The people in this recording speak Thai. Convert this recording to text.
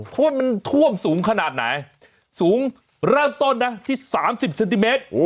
เพราะว่ามันท่วมสูงขนาดไหนสูงเริ่มต้นนะที่๓๐เซนติเมตร